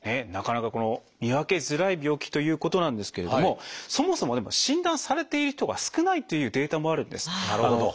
なかなか見分けづらい病気ということなんですけれどもそもそも診断されている人が少ないというデータもあるんです。